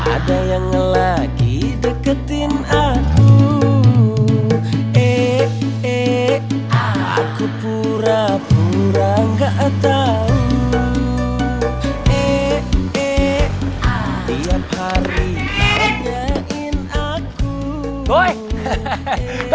ada yang lagi deketin aku eh eh aku pura pura enggak tahu eh eh ah dia pari pari aku doi doi